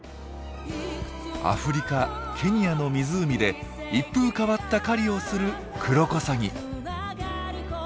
アフリカケニアの湖で一風変わった狩りをするクロコサギ。